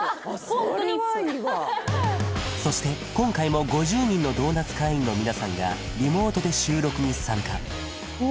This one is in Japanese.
ホントにそれはいいわそして今回も５０人のドーナツ会員の皆さんがリモートで収録に参加おお！